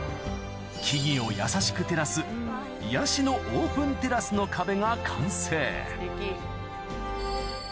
木々を優しく照らす癒やしのオープンテラスの壁が完成